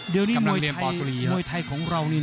เดี๋ยวนี้มวยไทยของเรานี่